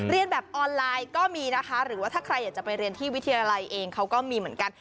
เรียนแบบออนไลน์ก็มีนะคะหรือว่าถ้าใครอยากจะไปเรียนที่วิทยาลัยเองเขาก็มีเหมือนกัน